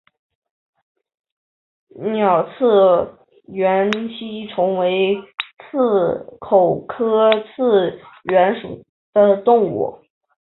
鸻刺缘吸虫为棘口科刺缘属的动物。